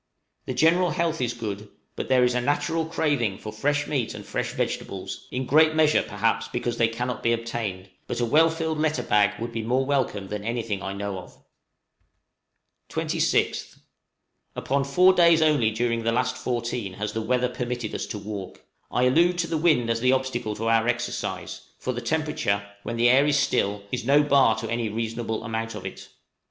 The general health is good, but there is a natural craving for fresh meat and fresh vegetables in great measure, perhaps, because they cannot be obtained; but a well filled letter bag would be more welcome than anything I know of. {COLD UNUSUALLY TRYING.} 26th. Upon four days only during the last fourteen has the weather permitted us to walk. I allude to the wind as the obstacle to our exercise; for temperature, when the air is still, is no bar to any reasonable amount of it.